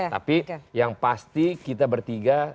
tapi yang pasti kita bertiga